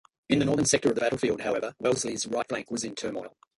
In the northern sector of the battlefield however, Wellesley's right flank was in turmoil.